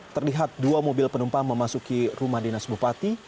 terlihat dua mobil penumpang memasuki rumah dinas bupati